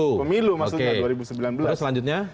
artinya pemilu maksudnya dua ribu sembilan belas